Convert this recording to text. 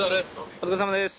お疲れさまです